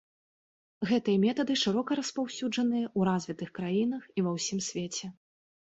Гэтыя метады шырока распаўсюджаныя ў развітых краінах і ва ўсім свеце.